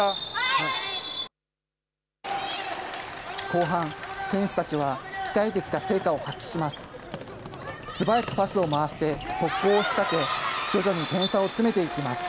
後半、選手たちは鍛えてきた成果を発揮します。